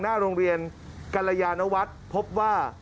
หน้าโรงเรียนกรยานวัฒน์พบว่า